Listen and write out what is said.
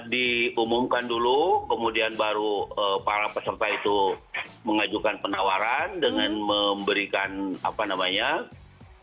diumumkan dulu kemudian baru para peserta itu mengajukan penawaran dengan memberikan semacam uang muka